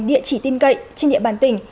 địa chỉ tin cậy trên địa bàn tỉnh